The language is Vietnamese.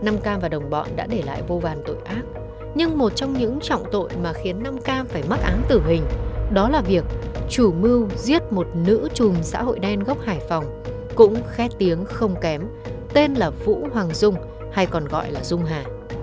một trong những trọng tội mà khiến nam cam phải mắc án tử hình đó là việc chủ mưu giết một nữ trùm xã hội đen gốc hải phòng cũng khét tiếng không kém tên là vũ hoàng dung hay còn gọi là dung hà